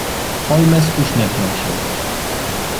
"Holmes uśmiechnął się."